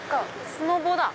スノボだ。